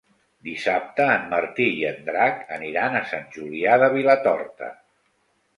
Dissabte en Martí i en Drac aniran a Sant Julià de Vilatorta.